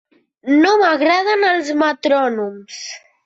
No m'agraden els metrònoms.